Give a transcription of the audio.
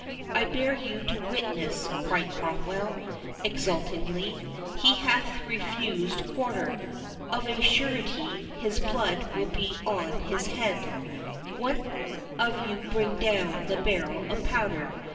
"I bear you to witness," cried Cromwell, exultingly, "he hath refused quarter. Of a surety, his blood be on his head.—One of you bring down the barrel of powder.